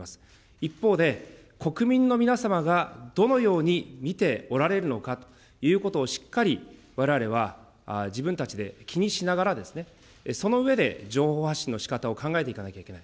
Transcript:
一方で、国民の皆様がどのように見ておられるのかということをしっかり、われわれは、自分たちで気にしながら、その上で情報発信の仕方を考えていかなければいけない。